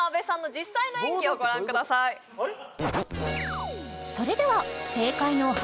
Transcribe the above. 実際の演技をご覧くださいあれっ？